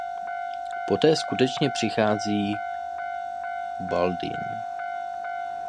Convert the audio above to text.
Poté skutečně přichází Balduin.